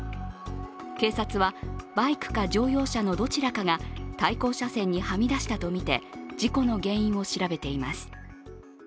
警察は、バイクか乗用車のどちらかが対向車線にはみ出したとみて事故の原因を調べています。